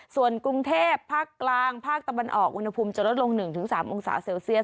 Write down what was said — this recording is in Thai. ส่วนกรุงเทพภาคกลางภาคตะวันออกอุณหภูมิจะลดลง๑๓องศาเซลเซียส